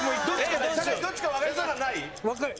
酒井どっちか分かりそうなのない？